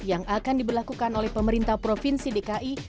yang akan diberlakukan oleh pemerintah provinsi dki